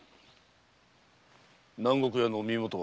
南国屋の身元は？